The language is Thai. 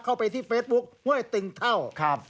เข้าไปที่เฟสบุ๊คง่วยติ่งเท่า